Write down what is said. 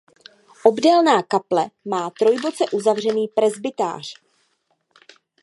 Obdélná kaple má trojboce uzavřený presbytář.